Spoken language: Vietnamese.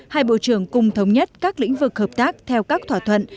hai bộ trưởng cùng thống nhất các lĩnh vực hợp tác theo các thỏa thuận